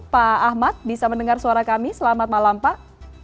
pak ahmad bisa mendengar suara kami selamat malam pak